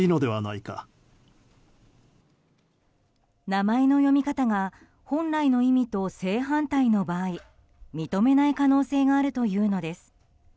名前の読み方が本来の意味と正反対の場合認めない可能性があるというのです。